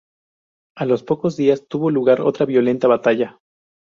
A los pocos días tuvo lugar otra violenta batalla.